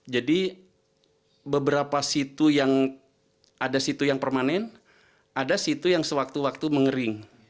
jadi beberapa situ yang ada situ yang permanen ada situ yang sewaktu waktu mengering